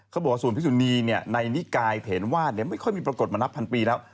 เขาบอกว่าส่วนพิสุนีในนิกายเถนวาดไม่ค่อยมีปรากฏมานับพันปีแล้ว